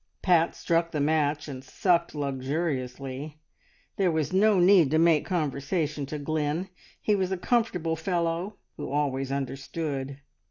Pat struck the match and sucked luxuriously. There was no need to make conversation to Glynn. He was a comfortable fellow who always understood.